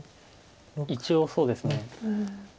一応そうですね。